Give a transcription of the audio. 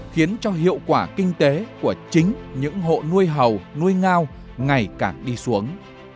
khiến cho hiệu quả kinh tế của chính những hộ nuôi hầu nuôi ngao ngày càng đi xuống